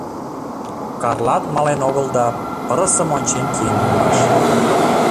Карлат мален огыл да пырысым ончен киен улмаш.